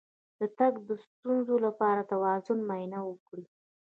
د تګ د ستونزې لپاره د توازن معاینه وکړئ